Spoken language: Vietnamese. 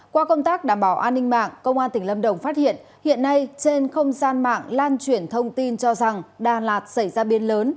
qua công tác đảm bảo an ninh mạng công an tỉnh lâm đồng phát hiện hiện nay trên không gian mạng lan truyền thông tin cho rằng đà lạt xảy ra biên lớn